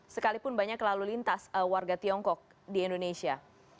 sekalipun banyak lalu lintas warga tiongkok di indonesia